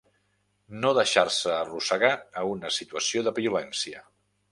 No deixar-se arrossegar a una situació de violència